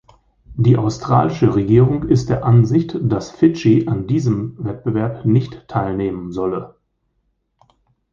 Die australische Regierung ist der Ansicht, dass Fidschi an diesem Wettbewerb nicht teilnehmen solle.